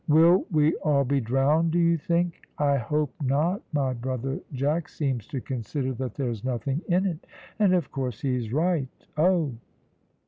"Will we all be drowned, do you think?" "I hope not; my brother Jack seems to consider that there's nothing in it, and of course he's right oh!"